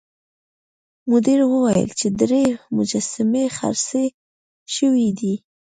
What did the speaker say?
مدیر وویل چې درې مجسمې خرڅې شوې دي.